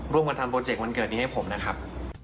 มาทำโปรเจกต์วันเกิดนี้ให้ผมนะครับ